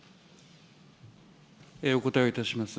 お答えをいたします。